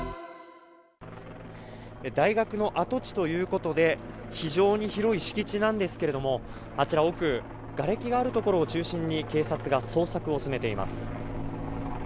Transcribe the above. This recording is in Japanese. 大学の跡地ということで、非常に広い敷地なんですけれども、あちら奥、がれきのある所を中心に、警察が捜索を進めています。